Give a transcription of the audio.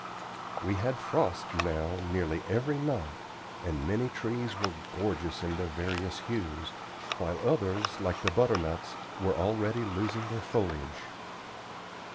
We had frost now nearly every night, and many trees were gorgeous in their various hues, while others, like the butternuts, were already losing their foliage.